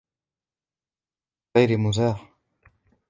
من غير مزاح!